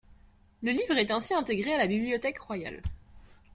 Le livre est ainsi intégré à la bibliothèque royale.